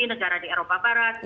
negara di eropa barat